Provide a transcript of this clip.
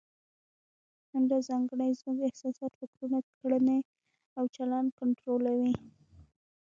همدا ځانګړنې زموږ احساسات، فکرونه، کړنې او چلند کنټرولوي.